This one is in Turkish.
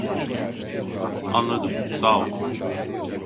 Anladım sağolun